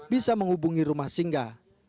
bisa menghubungi rumah singgah